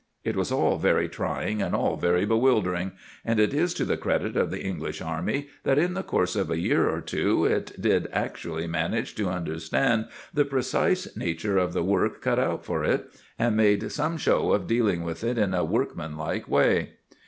It was all very trying and all very bewildering, and it is to the credit of the English army that in the course of a year or two it did actually manage to understand the precise nature of the work cut out for it and made some show of dealing with it in a workman like way.